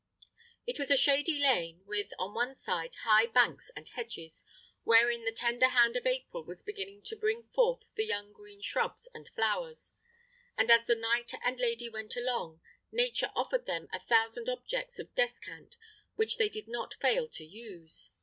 It was a shady lane, with, on each side, high banks and hedges, wherein the tender hand of April was beginning to bring forth the young green shrubs and flowers; and as the knight and lady went along, Nature offered them a thousand objects of descant which they did not fail to use.